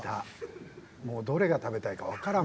もうどれが食べたいかわからんもん。